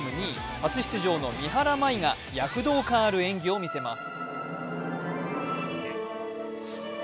初出場の三原舞依が躍動感ある演技を見せます。